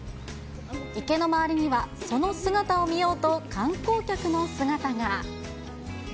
池の周りには、その姿を見ようと、観光客の姿が。